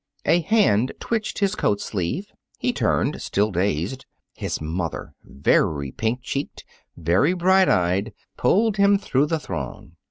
A hand twitched his coat sleeve. He turned, still dazed. His mother, very pink cheeked, very bright eyed, pulled him through the throng.